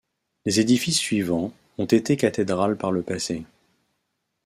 Les édifices suivants ont été cathédrales par le passé.